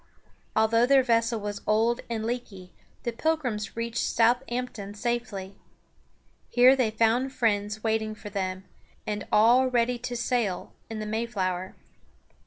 Although their vessel was old and leaky, the Pilgrims reached South amp´ton safely. Here they found friends waiting for them, and all ready to sail in the Mayflower.